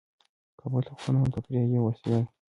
کابل د افغانانو د تفریح یوه وسیله ده.